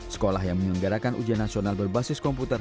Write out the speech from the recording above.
sekolah yang menyelenggarakan ujian nasional berbasis komputer